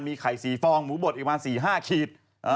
มีไข่สี่ฟองหมูบดอีกประมาณสี่ห้าขีด